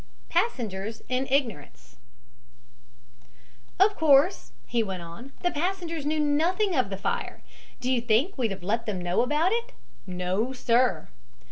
PASSENGERS IN IGNORANCE "Of course," he went on, "the passengers knew nothing of the fire. Do you think we'd have let them know about it? No, sir.